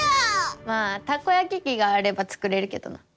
まあタコ焼き器があれば作れるけどな。